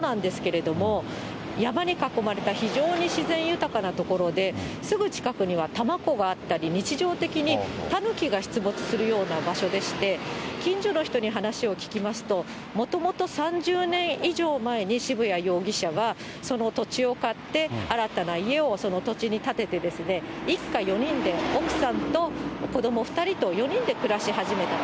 この東大和警察署から車で５分ほど、東京都心から１時間ほどなんですけれども、山に囲まれた非常に自然豊かな所で、すぐ近くには多摩湖があったり、日常的にたぬきが出没するような場所でして、近所の人に話を聞きますと、もともと３０年以上前に、渋谷容疑者はその土地を買って、新たな家をその土地に建ててですね、一家４人で、奥さんと子ども２人と４人で暮らし始めたと。